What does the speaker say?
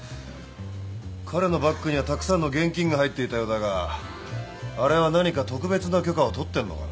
彼のバッグにはたくさんの現金が入っていたようだがあれは何か特別な許可を取ってるのかな？